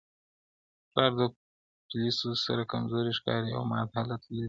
پلار پوليسو سره کمزوری ښکاري او مات حالت لري تل,